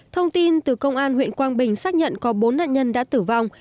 thông tin từ công an huyện quang bình xác nhận có bốn nạn nhân đã tử vong